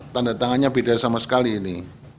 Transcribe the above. tandatangannya beda sama sekali ini